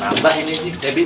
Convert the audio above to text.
tambah ini debbie